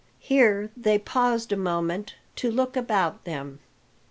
Here they paused a moment to look about them.